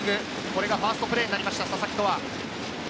これがファーストプレーになりました、佐々木登羽。